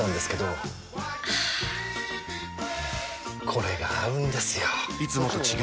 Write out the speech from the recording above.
これが合うんですよ！